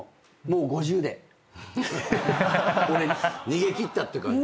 逃げ切ったって感じ？